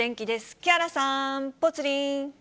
木原さん、ぽつリン。